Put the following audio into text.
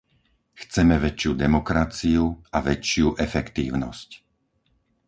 Chceme väčšiu demokraciu a väčšiu efektívnosť.